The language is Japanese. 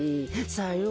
さよう。